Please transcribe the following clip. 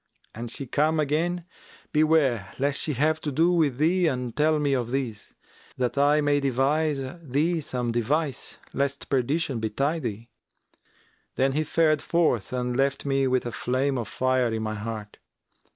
An she come again, beware lest she have to do with thee and tell me of this, that I may devise thee some device lest perdition betide thee.' Then he fared forth and left me with a flame of fire in my heart.